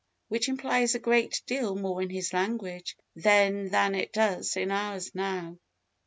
which implied a great deal more in his language then than it does in ours now.